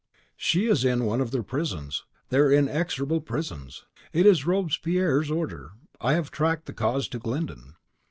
..... "She is in one of their prisons, their inexorable prisons. It is Robespierre's order, I have tracked the cause to Glyndon.